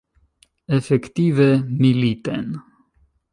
Efektive militen.